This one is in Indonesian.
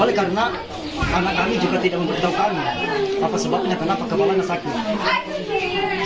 oleh karena anak kami juga tidak memberitahu kami apa sebabnya kenapa kawalannya sakit